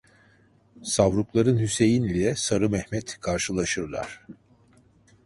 Savrukların Hüseyin ile Sarı Mehmet karşılaşırlar.